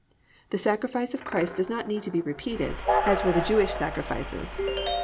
The sacrifice of Christ does not need to be repeated as were the Jewish sacrifices (V.